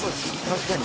確かに。